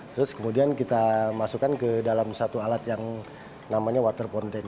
terus kemudian kita masukkan ke dalam satu alat yang namanya waterbountain